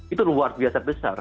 itu luar biasa besar